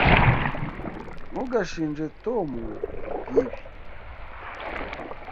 Ntugashinje Tom kubwibi.